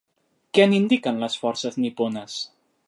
Què n'indiquen les forces nipones?